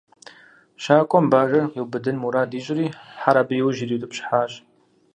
Щакӏуэм бажэр къиубыдын мурад ищӏри, хьэр абы и ужь ириутӏыпщхьащ.